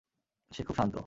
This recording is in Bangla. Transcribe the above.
সে খুব শান্ত।